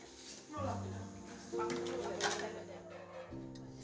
harus ada vaiers yang di sini